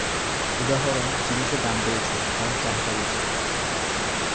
উদাহরণ: জিনিসের দাম বেড়েছে, কারণ চাহিদা বেশি।